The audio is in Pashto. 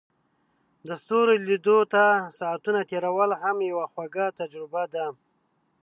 د ستورو لیدو ته ساعتونه تیرول هم یوه خوږه تجربه ده.